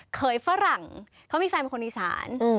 เคยฝรั่งเขามีแฟนเป็นคนอีสาน